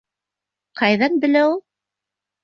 Ҡайҙан белә ул?